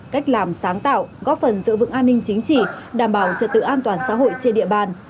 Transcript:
cách làm sáng tạo góp phần giữ vững an ninh chính trị đảm bảo trật tự an toàn xã hội trên địa bàn